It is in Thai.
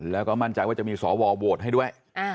แล้วก็มั่นใจว่าจะมีสวโหวตให้ด้วย